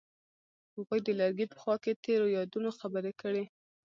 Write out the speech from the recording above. هغوی د لرګی په خوا کې تیرو یادونو خبرې کړې.